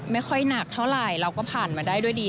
ไม่ค่อยหนักเท่าไหร่เราก็ผ่านมาได้ด้วยดี